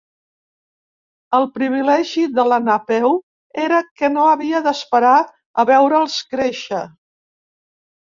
El privilegi de la Napeu era que no havia d'esperar a veure'ls créixer.